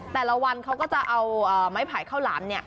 แต่ละวันเขาก็จะเอาไม้ไผ่ข้าวหลาม